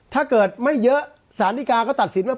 ถ้าเกิดไม่เยอะสารดีกาก็ตัดสินว่า